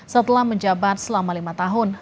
setelah menjabat selama lima tahun